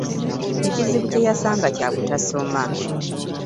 Ekizibu kye yasanga kya butasoma.